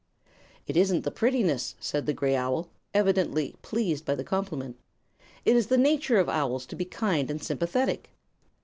"It isn't the prettiness," said the gray owl, evidently pleased by the compliment. "It is the nature of owls to be kind and sympathetic.